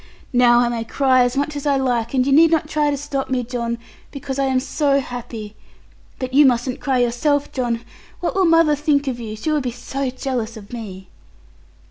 Now I may cry as much as I like, and you need not try to stop me, John, because I am so happy. But you mustn't cry yourself, John; what will mother think of you? She will be so jealous of me.'